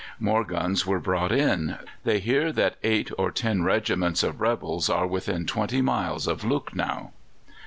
More guns are brought in. They hear that eight or ten regiments of rebels are within twenty miles of Lucknow.